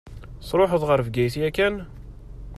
Tṛuḥeḍ ɣer Bgayet yakan?